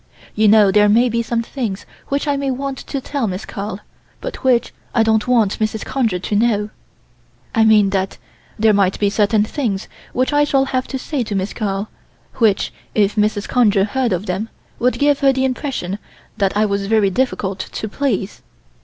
You know there may be some things which I may want to tell Miss Carl, but which I don't want Mrs. Conger to know. I mean that there might be certain things which I shall have to say to Miss Carl, which, if Mrs. Conger heard of them, would give her the impression that I was very difficult to please.